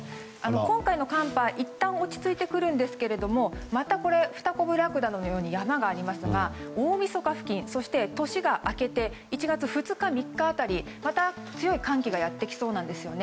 今回の寒波、いったん落ち着いてくるんですがフタコブラクダのように山がありますから大みそか付近そして年が明けて１月２日、３日付近また、強い寒気がやってきそうなんです。